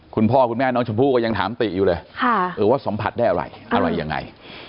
คุณพ่อคุณแม่น้องชมพู่ก็ยังถามติอยู่เลยว่าสัมผัสได้อะไรอะไรยังไง